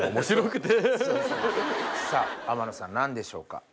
さぁ天野さん何でしょうか？